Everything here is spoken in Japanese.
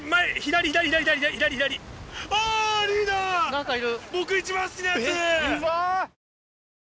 何かいる。